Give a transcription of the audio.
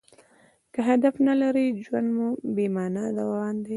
که هدف نه لرى؛ ژوند مو بې مانا روان دئ.